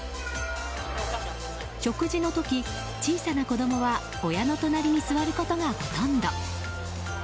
食事の時、小さな子供は親の隣に座ることがほとんど。